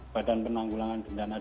badan penanggulangan dendana daerah